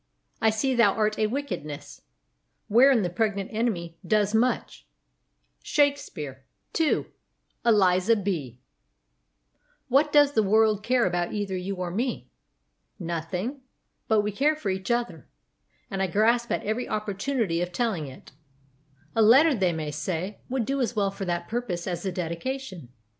I see thou art a Wickedness, Wherein the pregnant Enemy does much. Shakespeare CONTENTS Dedication xi Volume I 1 Volume II 91 Volume III 177 TO ELIZA B What does the world care about either you or me? Nothing. But we care for each other, and I grasp at every opportunity of telling it. A letter, they may say, would do as well for that purpose as a dedication.